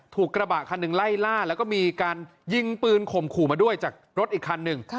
ถูกกระบะคันหนึ่งไล่ล่าแล้วก็มีการยิงปืนข่มขู่มาด้วยจากรถอีกคันหนึ่ง